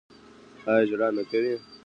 ایا ژړا نه کوي؟